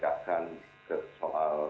dan menengahkan soal